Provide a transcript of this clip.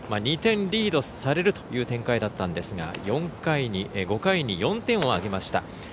２点リードされるという展開だったんですが５回に４点を挙げました。